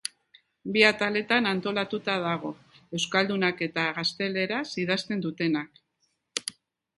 Bi ataletan antolatuta dago, euskaldunak eta gazteleraz idazten dutenak.